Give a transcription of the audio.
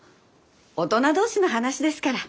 大人同士の話ですから。